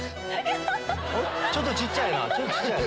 ちょっと小っちゃいな。